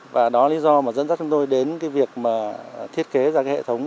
và đó là lý do mà dẫn dắt chúng tôi đến cái việc mà thiết kế ra cái hệ thống